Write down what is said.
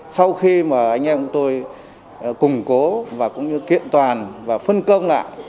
sau khi mà anh em của tôi củng cố và cũng như kiện toàn và phân công lại